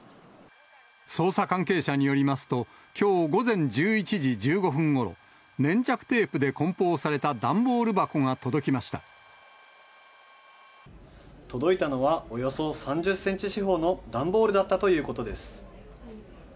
捜査関係者によりますと、きょう午前１１時１５分ごろ、粘着テープでこん包された段ボー届いたのは、およそ３０センチ四方の段ボールだったということです。